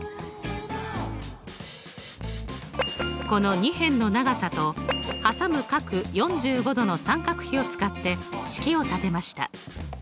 この２辺の長さとはさむ角４５°の三角比を使って式を立てました。